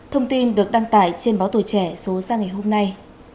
thông tin được đăng tải trên báo tuổi trẻ số ra ngày hôm nay